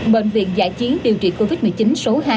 bệnh viện giã chiến điều trị covid một mươi chín số hai